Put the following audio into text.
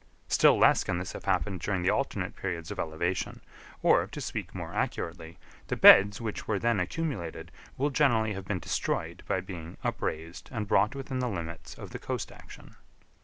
Still less can this have happened during the alternate periods of elevation; or, to speak more accurately, the beds which were then accumulated will generally have been destroyed by being upraised and brought within the limits of the coast action.